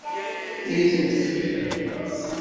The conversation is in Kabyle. Anda ay tent-tefkiḍ?